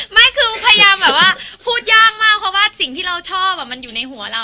ไม่คือพยายามแบบว่าพูดยากมากเพราะว่าสิ่งที่เราชอบมันอยู่ในหัวเรา